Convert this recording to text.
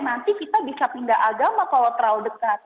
nanti kita bisa pindah agama kalau terlalu dekat